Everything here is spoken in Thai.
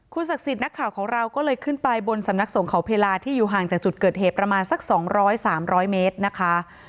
ศักดิ์สิทธิ์นักข่าวของเราก็เลยขึ้นไปบนสำนักสงเขาเพลาที่อยู่ห่างจากจุดเกิดเหตุประมาณสัก๒๐๐๓๐๐เมตรนะคะ